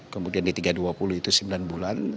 kemudian di tiga ratus dua puluh itu sembilan bulan